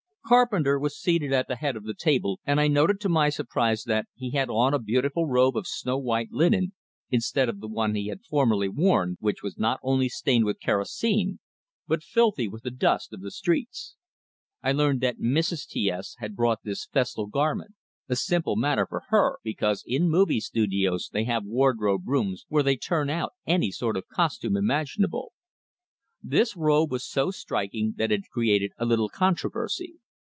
Carpenter was seated at the head of the table, and I noted to my surprise that he had on a beautiful robe of snow white linen, instead of the one he had formerly worn, which was not only stained with kerosene but filthy with the dust of the streets. I learned that Mrs. T S had brought this festal garment a simple matter for her, because in movie studios they have wardrobe rooms where they turn out any sort of costume imaginable. This robe was so striking that it created a little controversy.